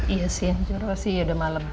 iya sih enggak ada masalah sih udah malem